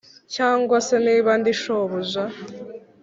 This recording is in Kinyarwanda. Cyangwa se niba ndi shobuja